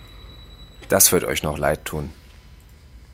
Das wird euch noch leid tun!